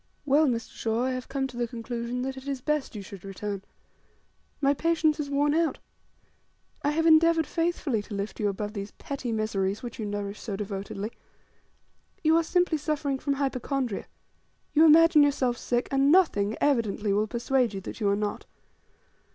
"Well, Mr. Shaw, I have come to the conclusion that it is best, you should return. My patience is worn out. I have endeavoured faithfully to lift you above these petty miseries which you nourish so devotedly. You are simply suffering from hypochondria. You imagine yourself sick, and nothing, evidently, will persuade you that you are not.